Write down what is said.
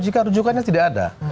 jika rujukannya tidak ada